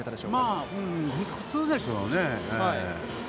まあ普通でしょうね。